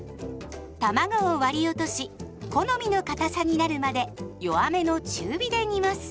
たまごを割り落とし好みのかたさになるまで弱めの中火で煮ます。